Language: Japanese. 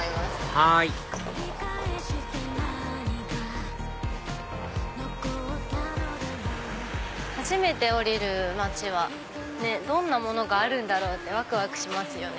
はい初めて降りる街はどんなものがあるんだろうってわくわくしますよね。